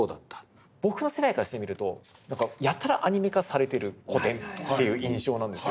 僕の世代からしてみるとやたらアニメ化されてる古典という印象なんですよ。